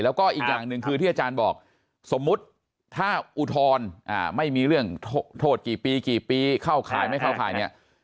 แล้วก็อีกอย่างหนึ่งคือที่อาจารย์บอกสมมุติถ้าอุทธรณ์ไม่มีเรื่องโทษกี่ปีกี่ปีเข้าข่ายไม่เข้าข่ายเนี่ย